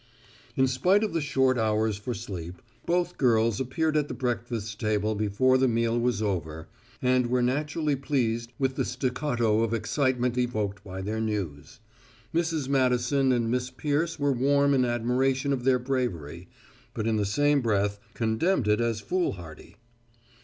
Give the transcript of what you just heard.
In spite of the short hours for sleep, both girls appeared at the breakfast table before the meal was over, and were naturally pleased with the staccato of excitement evoked by their news. Mrs. Madison and Miss Peirce were warm in admiration of their bravery, but in the same breath condemned it as foolhardy.